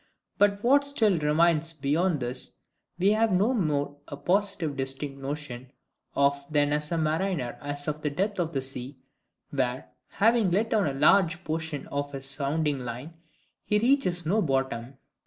But what still remains beyond this we have no more a positive distinct notion of than a mariner has of the depth of the sea; where, having let down a large portion of his sounding line, he reaches no bottom.